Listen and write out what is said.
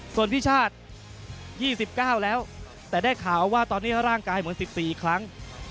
ส่วนพี่ชาติ๒๙แล้วแต่ได้ข่าวว่าตอนนี้ร่างกายเหมือน๑๔ครั้ง